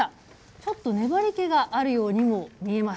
ちょっと粘り気があるようにも見えます。